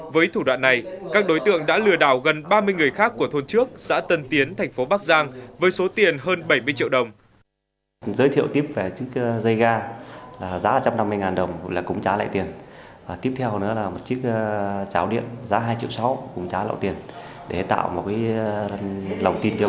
với thủ đoạn này các đối tượng đã lừa đảo gần ba mươi người khác của thôn trước xã tân tiến thành phố bắc giang với số tiền hơn bảy mươi triệu đồng